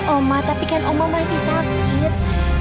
oma tapi kan oma masih sakit